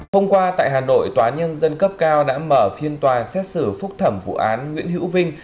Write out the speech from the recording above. hôm qua tại hà nội tòa nhân dân cấp cao đã mở phiên tòa xét xử phúc thẩm vụ án nguyễn hữu vinh